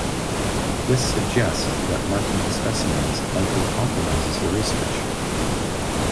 This suggests that marking the specimens likely compromises the research.